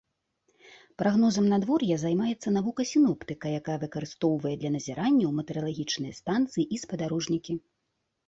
Прагнозам надвор'я займаецца навука сіноптыка, якая выкарыстоўвае для назіранняў метэаралагічныя станцыі і спадарожнікі.